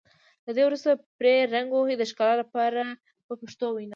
له دې وروسته پرې رنګ ووهئ د ښکلا لپاره په پښتو وینا.